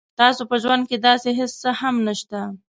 تاسو په ژوند کې داسې هیڅ څه هم نشته